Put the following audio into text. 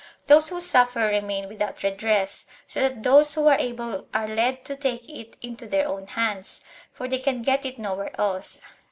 Those who suffer remain without redress, so that those who are able are led to take it into their own hands, for they can get it nowhere else.